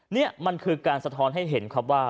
นี่มันคือการสะท้อนให้เห็นครับว่า